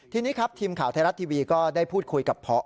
ทีนี้ครับทีมข่าวไทยรัฐทีวีก็ได้พูดคุยกับพอ